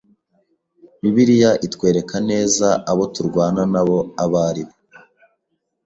’’ Bibiliya itwereka neza abo turwana nabo abo ari bo: